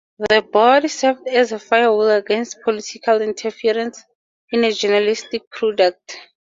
The Board served as a "firewall" against political interference in the journalistic product.